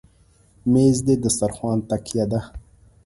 مېز د دسترخوان تکیه ده.